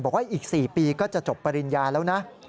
บอกว่าอีก๔ปีก็จะจบปริญญาแล้วนะ